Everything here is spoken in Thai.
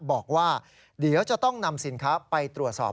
บอกว่าเดี๋ยวจะต้องนำสินค้าไปตรวจสอบ